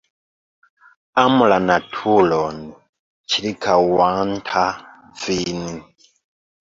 Amu la naturon ĉirkaŭanta vin.